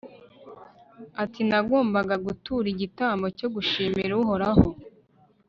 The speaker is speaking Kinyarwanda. ati nagombaga gutura igitambo cyo gushimira uhoraho